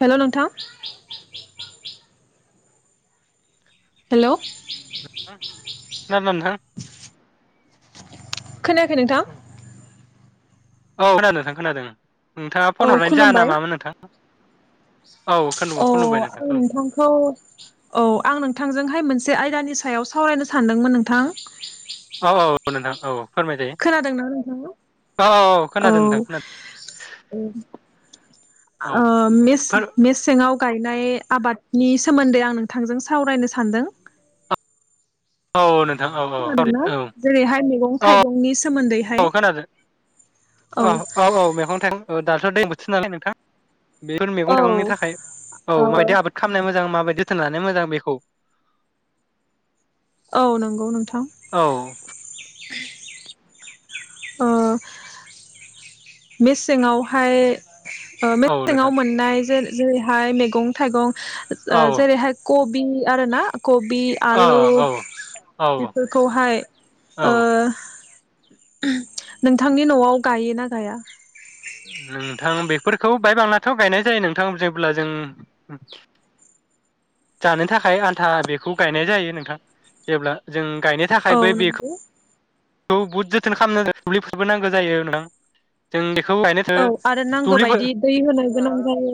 हेल' नोंथां। हेल'। खोनादोंना नोंथां खोनायाखै नोंथां। औ खोनादों नोंथां खोनादों उम। नोंथाङा औ फन हरनायनि जाहोना खुलुमबाय मामोन नोंथां? औ खुलुम खुलुमबाय नोंथां आं खुलुमबाय नोंथांखौ औ आं नोंथांजोंहाय मोनसे आयदानि सा सायाव सावरायनो सानदोंमोन नोंथां। औ औ नोंथां औ औ। फोरमायजायो खोनादोंना नोंथाङा औ औ खोनादों नोंथां खोनादों औ ओ मेसे फोर मेसेंआव गायनाय आबादनि सोमोन्दै आं नोंथांजों सावरायनो सानदों। औ नों खोनादोंना जेरैहाय मैगं औ थाइगंनि सोमोन्दै औ खोनादों औ औ औ मैगं थाइगं औ दाथ' दै बोथोर नालाय नोंथां। बेफोर मैगं औ थाइगंनि थाखाय औ माबायदि आबाद खालामनाय मोजां ओनबा जोथोन लानाया मोजां बेखौ औ नंगौ नोंथां औ [inaudible] ओ मेसेङावहाय औ मेसेंआव नोंथां मोननाय जे जेरैहाय- मैगं थाइगं ओ औ जेरैहाय ख- बि आरो ना कबि औ आलु औ औ बेफोरखौहाय औ ओ नोंथांनि न'आव गायो ना गाया फोरखौ बायबांनाथ' गायनाय जायो नोंथां जेब्ला जों जानो थाखाय आन्था बेखौ गायनाय जायो नोंथां जेब्ला जों गायनो औ थाखायबो बे नंगौ बहुद जोथोन खालामनांगौ दुब्लिफोरबोनांगौ जायो। होनां जों बेखौ गायनो थो औ आरो नांगौ दुब्लिफोर बायदि दै होनो गोनां जायो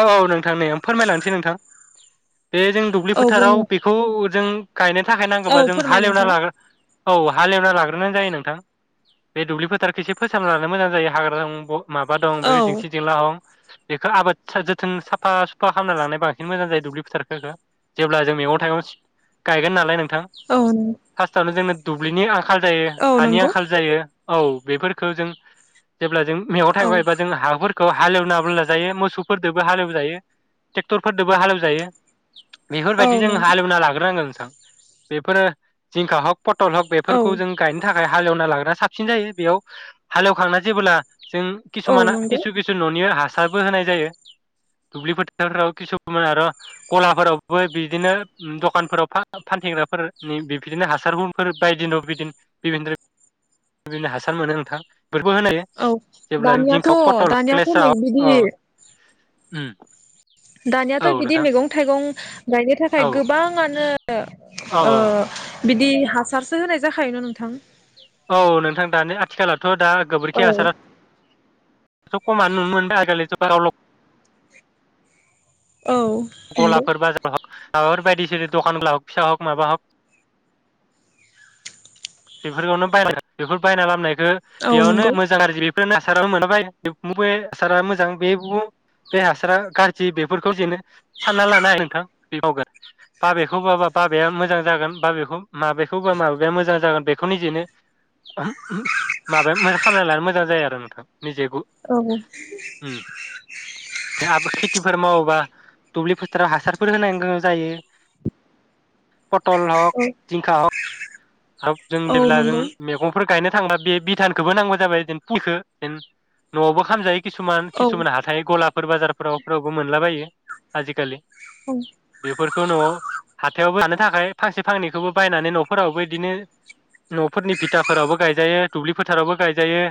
औ औ नोंथां नै फोरमायलांसै नोंथां। बे जों दुब्लि औ बुंनो फोथाराव बेखौ जों, गायनो थाखाय नांगौबा औ जों फोरमाय हालेवना नोंथां लाग्रो औ हालेवना लाग्रो जायो नोंथां बे दुब्लि फोथारखौ एसे फोसाबना लानो मोजां जायो हाग्रा दं ब माबा दं औ बै दिंसि जिंला हं बेखौ आबाद सो जोथोन साफा सुफा खालामामनानै लानाय बांसिन मोजां जायो दुब्लि फुथारखौ जेब्ला जों मैगं थाइगं सो गायगोन नालाय नों थां औ फार्स्टआवनो जोङो दुब्लिनि आंखाल जायो औ हानि नंगौ आंखाल जायो। औ बेफोरखौ जों जेब्ला जों मेगं थाइगं औ एबा जों हाफोर खौ हालेवनाबो लााजायो मोसौफोरदोबो हालेवजायो ट्रेक्टरफोरदोबो हालेवजायो। औ बेफोरबायदि जों नंगौ हालेवना लाग्रोनांगोन। बेफोरो जिंखा हग पटल हग औ बेफोरखौ जों गायनो थाखाय थाखाय हालेवना लाग्रा साबसिन जायो बेयाव हालेवखांना जेबोला जों औ खिसुमाना नंगौ खिसु खिसु न'निनो हास हासारबो होनाय जायो दुब्लि फोथारफ्राव खिसुमान आरो गलाफोरावबो बिदिनो ओ दखानफोराव फान फानथिंग्राफोरनि बिदिनो हासारफोर बायदिन' बिदिनो बिभिन रो बिदिनो हासार मोनो नोंथां। बेफोरखौ होनो औ जेब्ला दानियाथ' जिंखा पटल दानियाथ' क्लेस औ बिदि उम दानियाथ' औ बिदि नोंथां मैगं थाइगं गायनो औ थाखाय गोबाङानो ओ औ ओ बिदि हासारसो होनाय जाखायोन नोंथां? औ नोंथां दानि आथिखाला थ' दा औ गोबोरखि हासारा बेखौ खमानो मोनबाय आगोलिथ बारावल' औ नंगौ गलाफोर बाजाराव हाब माबाफोर बायदिसिरि दखानब्ला हक फिसा हक माबा हक बेफोरखौनो बाय बेफोर बायना लाबनाय खो औ बेयावनो नंगौ मोजां गाज्रि खोनो हासाराव मोनाबाय मबे हासारा मोजां बेबो बे हासारा गाज्रि बेफोरखौ जेनो सानना लानो हायो नोंथां बे मावगोन बाबेखौ बाबा बाबाया मोजां जागोन बाबेखौ माबेखौबा माबाया मोजां जागोन बेखौ निजेनो माबा खालामना लानो मोजां जायो आरो नोंथां निजेबो औ बे हाख खेथिफोर मावोबा दुब्लि फोथाराव हासारफोर होनांगौ जायो पटल हक औ जिंखा हक जों औ जेब्ला जों नंगौ मैगंफोर गायनो थांबा बे भिधानखौबो नांगौ जाबाय जेन फुलखौ जेन नआवबो खामजायो किसुमान औ किसुमान हाथाय गला फोर बाजारफोरावफ्रावबो मोनलाबायो आजिखालि। औ। फोरफोरखौ न'आव हाथायावबो थानो थाखाय फांसे फांनैखौबो बायनानै नफोरावबो बिदिनो न'फोरनि बिथाफोरावबो गायजायो दुब्लि फोथारावबो गायजायो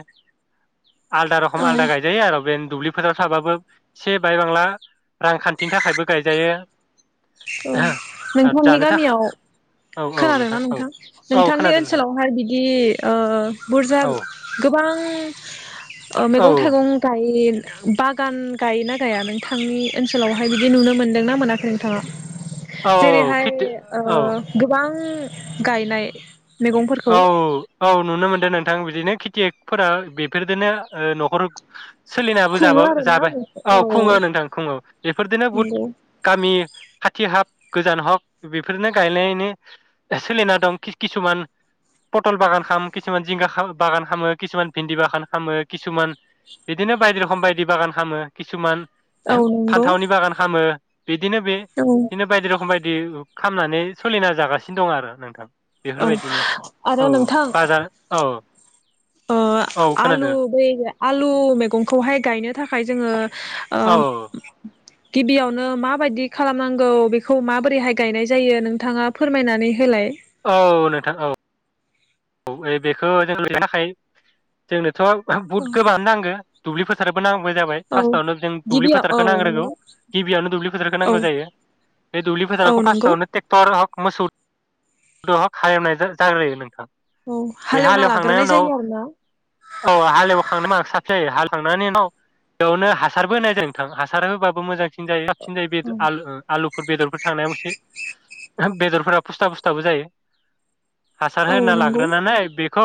आलदा रखम औ आलदा औ गायजायो आरो बे दुब्लि फोथाराव थाबाबो एसे बाय बांला रांखान्थिनि थाखायबो गायजायो। नोंथांनि जानो गामियाव थाखा औ औ नोंथां औ। नोंथांनि खोनादों नोंथां ओनसोलावहाय बिदि ओ बुरजा औ गोबां ओ औ मैगं थाइगं गायो बागान गायोना गाया नोंथांनि ओनसोलावहाय बिदि नुनो मोनदोंनाा मोनाखै नोंथाङा? औ जेरैहाय खेथि ओ औ गोबां गायनाय। मैगंफोरखौ औ औ औ नुनो मोन नोंथां बिदिनो खेथियफोरा बेफोरजोंनो नखर सोलिनाबो खुङो जाबो आरोना जाबाय औ खुङो नोंथां खुङो बेफोरदिनो नंगौ बहुद गामि खाथि हक गोजान हक बेफोरनो गायनायनि सोलिना दं किसुमान पटल बागान खाम किसुमान जिंगा बागान खालामामो किसुमान भिन्दि बागान खालामामो किसुमान बिदिनो बायदि रखोम बायदि बागान खामो किसुमान औ नंगौ फान्थावनि बागान खामो बिदिनो बे औ बिदिनो बायदि रखोम बायदि बे खामनानै सोलिना जागासिनो दं आरो नोंथां औ बेफोरबायदिनो औ बाजार औ अ औ आलु खोनादों बैगा आलु मैगंखौहाय गायनो थाखाय जोङो ओ औ गिबियावनो माबायदि खालामनांगौ बेखौ माबोरैहाय गायनाय जायो नोंथाङा फोरमायनानै होलाय औ नोंथां औ ओइ बेखौ जोंनो थाखाय जोंनो थ' बुथ गोबानो नांगो दुब्लि फोथारबो नांग जाबाय औ फार्स्टआवनो जों दुब्लि गिबियाव औ फोथारखौ नांग्रोगौ नंगौ गिबियावनो दुब्लि फोथारखौ औ नांगौ जायो बे दुब्लि औ फोथारावखौ नंगौ फार्स्टआवनो ट्रेक्टर हक मोसौ खालामनाय जाग्रोयो नोंथां औ बे हालेवना हालेवखांनायनि लाग्रोनाय उनाव जायो आरोना औ हालेवखांनो मा साथ जायो हाल थांनानै उनाव बेयावनो हासारबो होनाय जायो नोंथां हासार होबाबो मोजांसिन जायो। साबसिन जायो बे औ आलु आलुफोर बेदरफोर थांनायाव मोनसे बेदरफोरा फुस्था फुस्थाबो जायो हासार औ होना नंगौ लाग्रोनानै बेखौ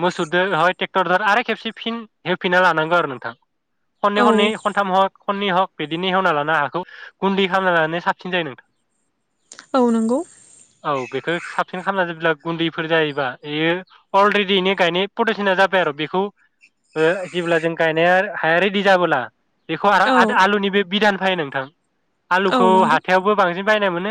मोसौदो हाय ट्रेक्टरजों आरो खेबसे फिन एवफिनना लानांगौ आरो नोंथां खनै औ खनै खनथाम ह खननि हक बिदिनो हेवना लाना हाखौ गुन्दै खालामना लानानै साबसिन जायो नोंथां औ नंगौ औ बेखौ साबसिन खालामना जेब्ला गुन्दैफोर जायोबा बियो अलरेडिनो गायनाय प्रटेकसना जाबाय आरो बेखौ जेब्ला जों गायनाया हाया रेडि जाबोला बेखौ औ आरो आलुनि बे बिदान फायो नोंथां औ आलुखौ नंगौ हाथायावबो बांसिन बायना मोनो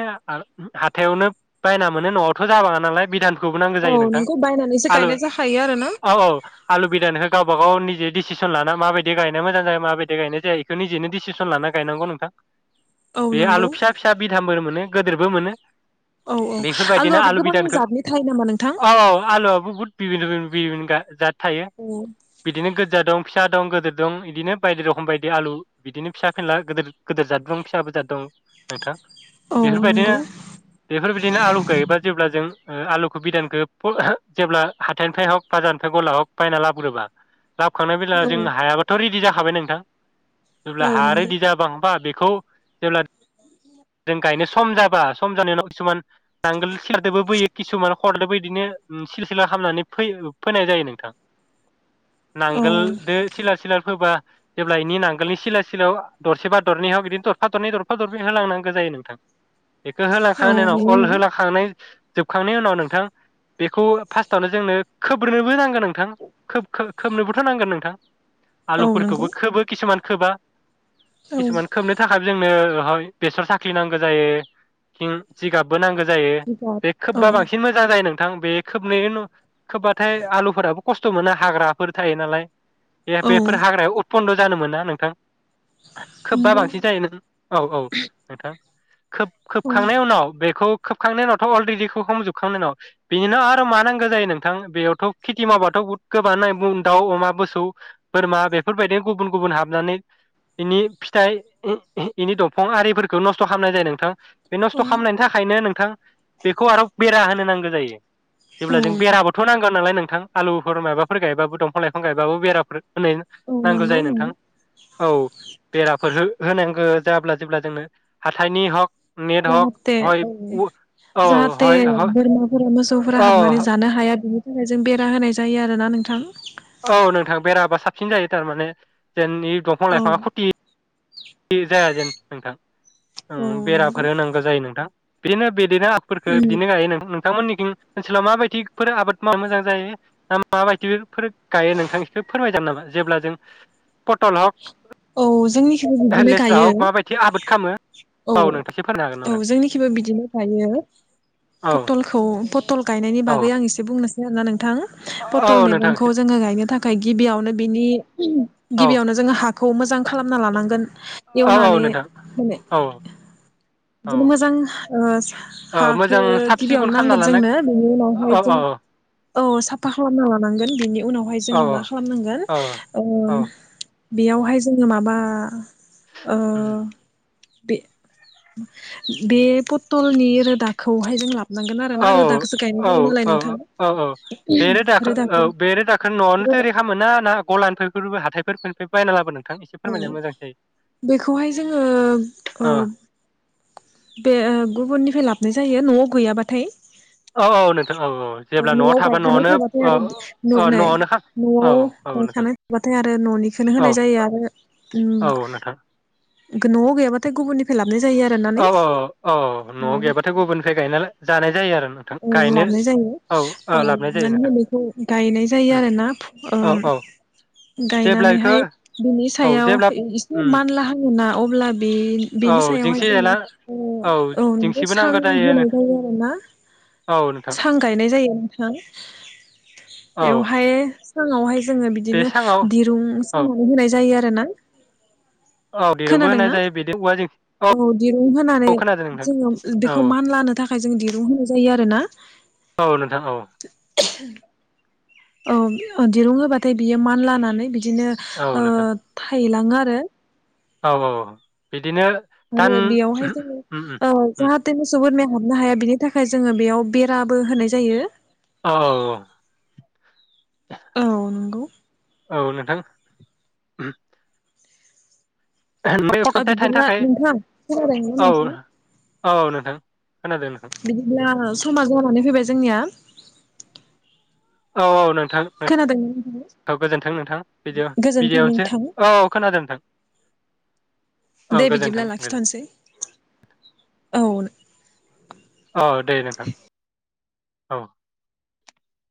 हाथायावनो बायना मोनो न'आवथ' जाबाङा नालाय बिधा न खौबो नांगौ जायो नोंथां। बिधानखौ बायनानैसो आलु गायनाय जाखायो आरो ना? औ औ आलु बिदानिखौ गावबा गाव निजे डिसिसन ला माबायदि गानाय मोजां जायो माबायदि गायनाय जाया बेखौ निजेनो डिसिसन लानानै गायनांगौ नोंथां। औ बे नंगौ आलु फिसा -फिसा बिधान फोर मोनो गेदेरबो मोनो। औ औ बेफोरबायदिनो आलुआबो आलु गोबां जादनि थायो नामा नोंथां? बहुद बिबिन्न- बिबिन्न जाद थायो औ बिदिनो गोजा दं, फिसा दं गिदिर दं बिदिनो बायदि रखम बायदि आलु बिदिनो फिसा- फिनला गिदिर- गोदोर जाद दं फिसाबोजाद दं। नोंथां औ नंगौ बेफोरबायदिनो आलुखौगायोबा जेब्ला जों आलुखौ बिदानखौ [unintelligible] जेब्ला हाथाइनिफ्राय हग बाजारनिफ्राय हग बायना लाबो्योब्ला लाबोखांना बेला औ हायाबोथ' रेडदि जाखाबाय नोंथां। जेब्ला औ हाया नंगौ रेडदि जाया होनबा बे खौ जेब्ला जों गायनो सम जाबा सम जानाय उनाव खिसुमान नांगोल [unintelligible] ओ सिला -सिला खालामनानै फोनाय जायो नोंथां। औ नांगोलदो सिल- सिला फोबा जेब्ला इनि नांगोलनि सिला सिलायाव दरसेबा दरनैयाव बिदिनो दरफा दरनै दरफा दरनै होलांनांगौ जायो नोंथां। बेखौ औ होलांखांनायनि उनाव बेनि अल होलांखांनाय जोबखांनायनि उनाव नोंथां बेखौ फार्स्टआवनो जोंनो खोब्रोननोबो नांगोन नोंथां खोबनोबोथ' नांगोन नोंथां। औ आलुफोरखौबो नंगौ खोबो खिसुमान- खोबा औ किसुमान खोबनो थाखाय जोंनो [unintelligible] बेसर साख्रि नांगौ जायो ओ जिगाबबो नांगौ [unintelligible] जायो जिगाब बे औ खोबबा बांसिन मोजां जायो नों थां बे खोबबाथाय आलुफोराबो खस्थ' मोना हाग्राफोर थायो नालाय औ बेफोर हाग्रायाव उपन्द जानो मोना नोंथां। खोबबा नंगौ बांसिन जायो नों औ औ नोंथां। खोब औ खोबखांनाय उनाव बेखौ खोबखांनायनि उनावथ' अलरेडिखौ हमजोबखांनायनाव बिनिनो आरो मा नांगौ जायो नोंथां बेयावथ' खेथि मावबाथ' बहुद गोबानो नाय दाउ अमा मोसौ बोरमा बेफोरबायदिनो गुबुन गुबुन हाबनानै बेनि फिथाइ बेनि दंफां आरिफोरखौ नस्थ' खालामनाय जायो नोंथां। बे नस्थ' औ खालामनायनि थाखायनो नों थां बेखौ आरो बेरा होनो नांगौ जायो। जेब्ला औ जों बेराबोथ' नांगोन नालाय नों थां आलुफोर माबाफोर गायबाबो दंफां लाइां गायबाबो बेराफोर होनाय औ नांगौ नंगौ जायो नोंथां। नंगौ औ बेराफोर हो होनांगौ जायाब्ला जेब्ला जोंनो हाथायनि हक नेट हक जाहाथे हय औ उ औ जाहाथे हय ह बोरमाफोरा मो सौफोरा हाबनानै औ जानो हाया। बिनि थाखाय जों बेरा होनाय जायो आरोना नोंथां। औ नोंथां बेराबा साबसिन जायो थारमाने जेननि दंफां औ लाइफाङा खुथि जाया जेन नोंथां। औ ओं नंगौ बेराफोर होनांगौ जायो नोंथां। बिनो बिदिनो फोरखो उम बिदिनो गायो नोंथां नों थांमोननिखिं ओनसोलाव माबायदिफोर आबाद मावनो मोजां जायो ना माबायदिफोर फोर गायो नोंथां इखौ फोरमाय जागोन नामा जेब्ला जों पटल हक, औ जोंनिखिबो बिदिनो लेस्रा गायो। हक माबायदि आबाद खालामो औ नोंथां एसे फोरमायनो हागोन औ। जोंनिखिबो बिदिनो गायो नामा औ पटलखौ प टल गायनायनि बागै आं एसे बुंनो आरोना नोंथां। औ पथल औ नोंथां एसे मैगंखौ जोङो गायनो थाखाय गिबियावनो बिनि औ गिबियावनो जोङो हाखौ मोजां खालामना लानांगोन औ औ एवनानै नोंथां माने औ औ बिदिनो मोजां ओ औ हाखौ मोजां साब सिखुन गिबियावनो खालामना नांगोन लानाय जोंनो बेनि उनावहाय औ औ जों औ साफा खालामना लानांगोन बेनि उनावहाय औ जोङो मा खालामनांगोन औ ओ औ बेयावहाय जोङो माबा ओ बे-बे पथलनि रोदाखौहाय जोंला औ औ औ औ औ बे रोदाखो औ रोदाखौ बे रोदाखो न'आवनो रोदा थैयारि खामोना ना गलानिफा फोर बा हाथाइफोर फोरनिफ्राय बायना लाबो नों औ बेखौहाय जोङो ओ औ बे ओ गुबुननिफ्राय लाबनाय जायो न'आव गैयाबाथाय। नोंथां औ औ जेब्ला न'आव थाबा गायखानाय न'आवनो थाबाथाय औ आरो न औ नै न'आवनो खा औ न'आव औ नोंथां गायखानाय थाबाथाय आरो न'निखौनो औ होनाय जायो आरो उम औ नोंथां खो न'आव गैयाबा थाय गुबुननिफ्राय लाबनाय जायो आरो। औ औ औ न'आव गैयाबाथाय गुबुननिफ्राय गायना जानाय जायो आरो। नोंथां औ गायनो लाबनाय जायो औ लाबोनाय जायो नोंथां लाबनैहाय बेखौ गायनाय जायो उम आरोना औ ओम औ जेब्ला बेखौ गायनानैहाय बिनि औ सायाव जेब्ला एसे उम मानला हाङोना अब्ला बे औ बेनि सायावहाय जेंसि जोङो जेला औ ओ सां होनाय जायो आरोना। औ नोंथां सां गायनाय जायो नोंथां औ बेवहाय साङावहाय जोङो बे बिदिनो सांआव दिरुं औ सोंनानै होनाय जायो आरो ना औ दिरुंबो होनाय खोनादोंना जायो बिदि औवा जों औ दिरुं होनानै औ खोनादों नोंथां जोङो औ बेखौ मानलानो थाखाय जों दिरुं होनाय जायो आरोना। औ नोंथां औ। दिरुं होबाथाय बियो मानलानानै बिदिनो औ ओ नोंथां थाइला ङो आरो। औ औ बिदिनो दान आरो बेयावहाय जोङो उम उम ओ उम जाहाथे मोसौ बोरमाया हाबनो हाया बिनि थाखाय जोङो बेयाव बेराबो होनाय जायो। औ औ नंगौ औ नोंथां ओमफ्राय औ गथ'थाय थानो बिदिब्ला थाखाय नोंथां खोनादोंना औ नोंथां? औ नोंथां खोनादों नोंथां बिदिब्ला समा जानानै फैबाय जोंनिया औ औ नों थां खोनादोंना नोंथाङा गोजोन्थों नोंथां बिदि गोजोनथों बिदियावनोसो नोंथां औ खोनादों नोंथां औ दे गोजोन्थों बिदिब्ला गोजोन लाखिथ'नोसै। औ अ दे नोंथां औ